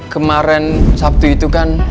kemaren sabtu itu kan